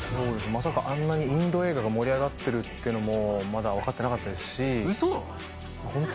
まさかあんなにインド映画が盛り上がってるのもまだ分かってなかったですしあっホント？